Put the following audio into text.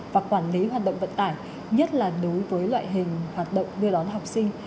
và quản lý hoạt động vận tải nhất là đối với loại hình hoạt động đưa đón học sinh